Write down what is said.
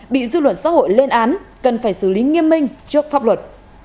bị dư luận xã hội lên án cần phải xử lý nghiêm minh trước pháp luật